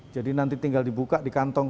jadi nanti tinggal dibuka di kantong